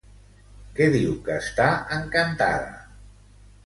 Què diu que està encantada?